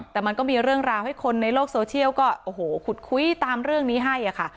แต่มันก็มีเรื่องราวให้คนในโลกโซเชียลก็โอ้โหขุดคุยตามเรื่องนี้ให้ค่ะ